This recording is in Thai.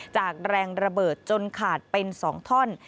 จากแรงระเบิดจนขาดเป็น๒ท่อน